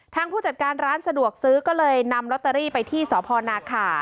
ผู้จัดการร้านสะดวกซื้อก็เลยนำลอตเตอรี่ไปที่สพนาขา